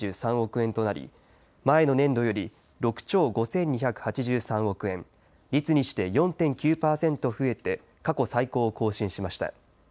円となり前の年度より６兆５２８３億円、率にして４．９％増えて過去最高を更新しました。